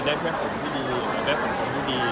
ได้เพื่อนผมที่ดีโสนทุกคนที่ดี